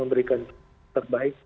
memberikan tetap baik